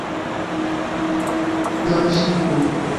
Pramŝipo!